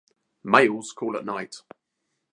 Males call at night.